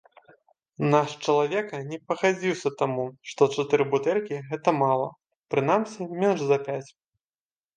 Наш чалавека не пагадзіўся таму, што чатыры бутэлькі гэта мала, прынамсі менш за пяць.